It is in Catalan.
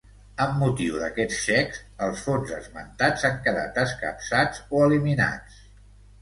Amb motiu d’aquests xecs, els fons esmentats han quedat escapçats o eliminats.